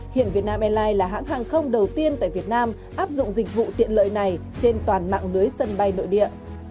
hiện việt nam airlines là hãng hàng không đầu tiên tại việt nam áp dụng dịch vụ tiện lợi này trên toàn mạng lưới sân bay nội địa